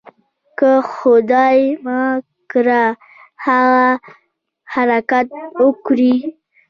که خدای مه کړه هغه حرکت وکړي.